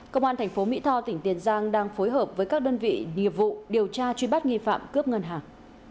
công an tp mỹ tho tỉnh tiền giang đang phối hợp với các đơn vị nghiệp vụ điều tra truy bắt nghi phạm cướp ngân hàng